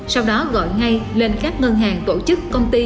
sau đó gọi ngay lên các ngân hàng tổ chức